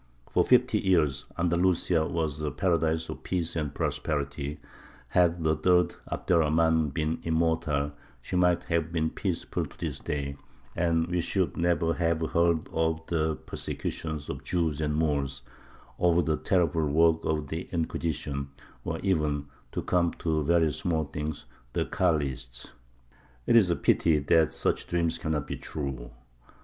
For fifty years Andalusia was a paradise of peace and prosperity; had the third Abd er Rahmān been immortal she might have been peaceful to this day, and we should never have heard of the persecutions of Jews and Moors, of the terrible work of the Inquisition, or even (to come to very small things) the Carlists. It is a pity that such dreams cannot be true.